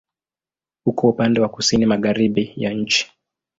Uko upande wa kusini-magharibi ya nchi.